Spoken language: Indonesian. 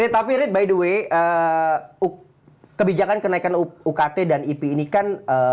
tapi read by the way kebijakan kenaikan ukt dan ip ini kan